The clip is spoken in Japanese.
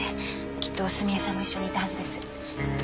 きっと澄江さんも一緒にいたはずです。